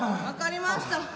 分かりました。